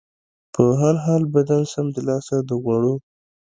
په هر حال، بدن سمدلاسه د غوړو